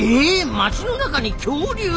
街の中に恐竜？